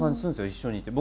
一緒にいて。